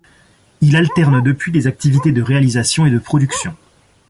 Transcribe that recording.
Il alterne depuis des activités de réalisation et de production.